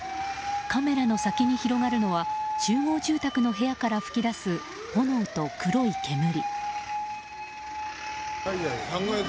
カメラの先に広がるのは集合住宅の部屋から噴き出す炎と黒い煙。